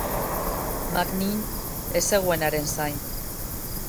Magnin ez zegoen haren zain.